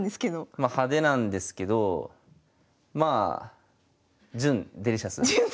ま派手なんですけどまあ準デリシャス。